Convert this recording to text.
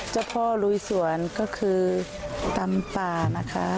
เจ้าพ่อลุยสวนก็คือตำป่านะคะ